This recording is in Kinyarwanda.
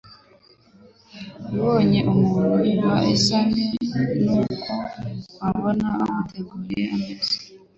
ibonye umuntu iba isa n'uko wabona baguteguriye ameza